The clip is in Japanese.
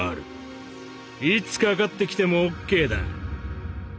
いつかかってきてもオッケーだ」。